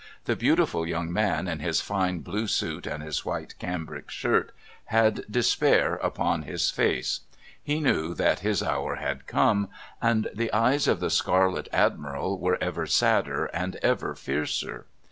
The beautiful young man in his fine blue suit and his white cambric shirt had despair upon his face. He knew that his hour had come. And the eyes of the Scarlet Admiral were ever sadder and ever fiercer.